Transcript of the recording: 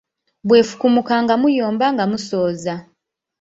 Bw'efukumuka nga muyomba nga musooza.